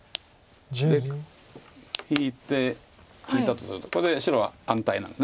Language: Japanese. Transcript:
で引いて引いたとするとこれで白は安泰なんです。